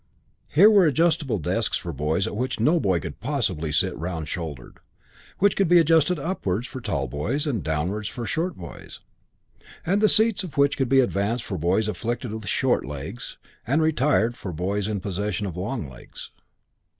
Here were adjustable desks for boys at which no boy could possibly sit round shouldered, which could be adjusted upwards for tall boys and downwards for short boys, and the seats of which could be advanced for boys afflicted with short legs and retired for boys in the possession of long legs.